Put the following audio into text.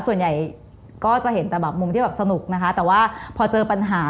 ส่วนใหญ่ก็จะเห็นแต่แบบมุมที่แบบสนุกนะคะแต่ว่าพอเจอปัญหา